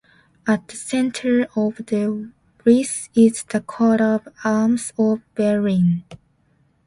At the center of the wreath is the Coat of arms of Berlin.